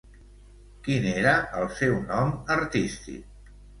Quin era el seu nom artístic?